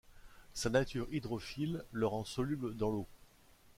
Sa nature hydrophile le rend soluble dans l'eau.